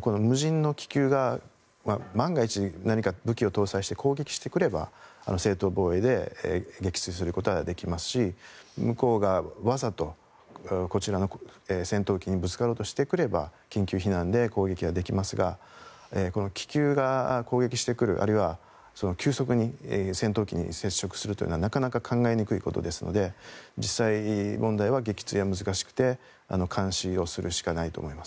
この無人の気球が万が一、何か武器を搭載して攻撃してくれば、正当防衛で撃墜することはできますし向こうがわざとこちらの戦闘機にぶつかろうとしてくれば緊急避難で攻撃ができますが気球が攻撃してくるあるいは急速に戦闘機に接触するというのはなかなか考えにくいことですので実際問題は撃墜は難しくて監視をするしかないと思います。